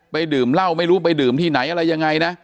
ดื่มเหล้าไม่รู้ไปดื่มที่ไหนอะไรยังไงนะ